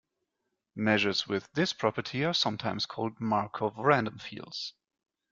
Measures with this property are sometimes called Markov random fields.